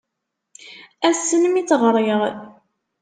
Ass-n mi tt-ɣriɣ.